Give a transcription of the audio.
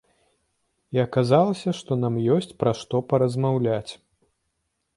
І аказалася, што нам ёсць пра што паразмаўляць.